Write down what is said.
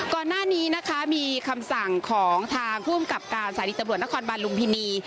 ก่อนหน้านี้นะคะมีคำสั่งของทางภูมิกับการสถานีตำรวจนครบันลุมพินี